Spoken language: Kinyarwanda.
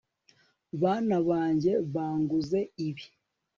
Bana banjye banguze ibi